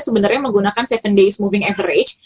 sebenarnya menggunakan tujuh days moving average